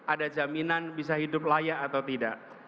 ada jaminan bisa hidup layak atau tidak